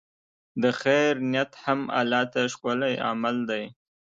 د خیر نیت هم الله ته ښکلی عمل دی.